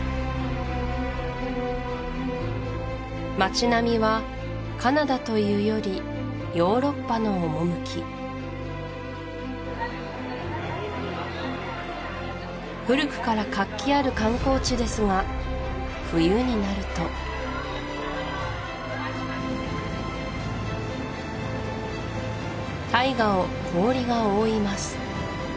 街並みはカナダというより古くから活気ある観光地ですが冬になると大河を氷が覆います